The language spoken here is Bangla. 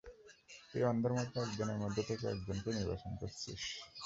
তুই অন্ধের মতো একজনের মধ্যে থেকে একজনকে নির্বাচন করছিস।